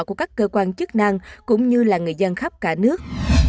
của các cơ quan chức năng cũng như là người dân khắp cả nước